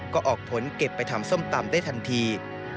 ก็ออกผลเก็บไปทำส้มตำได้ทันที